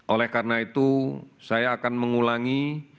oleh karena itu saya akan mengulangi